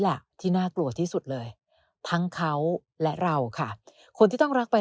แหละที่น่ากลัวที่สุดเลยทั้งเขาและเราค่ะคนที่ต้องรักไป